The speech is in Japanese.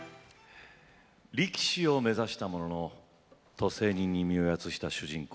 力士を目指したものの渡世人に身をやつした主人公